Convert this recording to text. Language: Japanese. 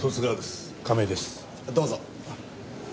どうぞ。